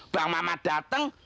bang mamat dateng